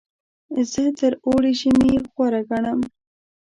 زه تر اوړي ژمی غوره ګڼم.